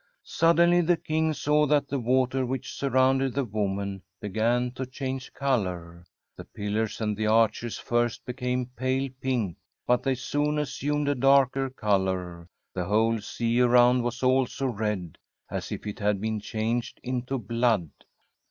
Suddenly the King saw that the water which surrounded the woman began to change colour. The pillars and the arches first became pale pink ; but they soon assumed a darker colour. The whole sea around was also red, as if it had been changed into blood.